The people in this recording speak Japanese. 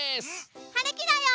はるきだよ！